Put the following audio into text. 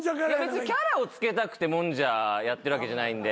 別にキャラを付けたくてもんじゃやってるわけじゃないんで。